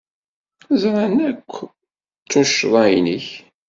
Ẓran akk ur d tuccḍa-nnek.